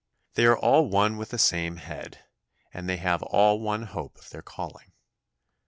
They are all one with the same Head, and they have all one hope of their calling.